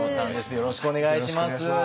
よろしくお願いします。